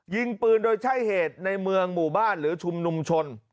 ยิงปืนโดยใช้เหตุในเมืองหมู่บ้านหรือชุมนุมชน